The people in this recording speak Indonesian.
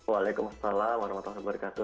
waalaikumsalam warahmatullahi wabarakatuh